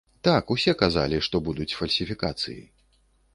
Так, усе казалі, што будуць фальсіфікацыі.